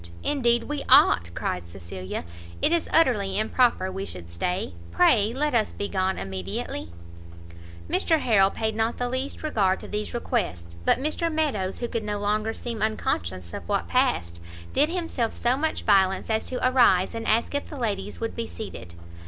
indeed we ought!" cried Cecilia; "it is utterly improper we should stay; pray let us be gone immediately." Mr Harrel paid not the least regard to these requests; but Mr Meadows, who could no longer seem unconscious of what passed, did himself so much violence as to arise, and ask if the ladies would be seated.